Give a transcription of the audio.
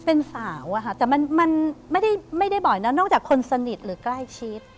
เป็นสาวอะค่ะแต่มันไม่ได้บ่อยนะนอกจากคนสนิทหรือใกล้ชิด